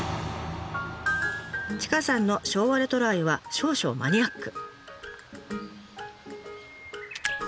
千賀さんの昭和レトロ愛は少々マニアック。